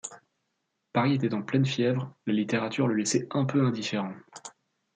Paris était en pleine fièvre, la littérature le laissait un peu indifférent.